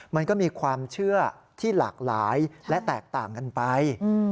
มันก็มีความเชื่อที่หลากหลายและแตกต่างกันไป